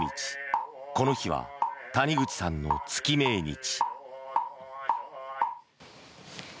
この日は谷口さんの月命日。